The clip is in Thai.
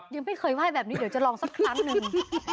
ยังไม่เคยไหว้แบบนี้เดี๋ยวจะลองสักครั้งหนึ่ง